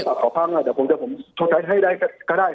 ถ้าโทรศัพท์ของเขาพังผมจะชดใจให้ได้ก็ได้ค่ะ